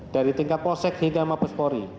dari tingkat posek hingga mabes poli